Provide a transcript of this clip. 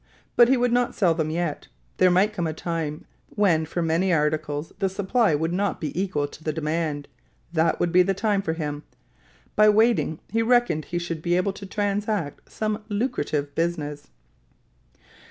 But he would not sell them yet; there might come a time when for many articles the supply would not be equal to the demand; that would be the time for him; by waiting he reckoned he should be able to transact some lucrative business.